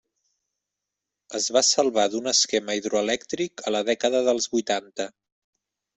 Es va salvar d'un esquema hidroelèctric a la dècada dels vuitanta.